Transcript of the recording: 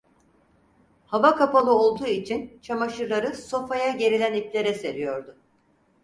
Hava kapalı olduğu için çamaşırları sofaya gerilen iplere seriyordu.